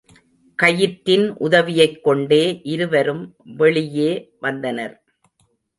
கயிற்றின் உதவியைக்கொண்டே இருவரும் வெளியே வந்தனர்.